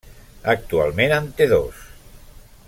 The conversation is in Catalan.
Actualment en té dos.